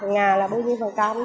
ngà là bảo hiểm phần cam đó